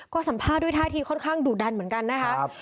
ก็สัมภาษณ์ด้วยท่าทีค่อนข้างดุดันเหมือนกันนะคะ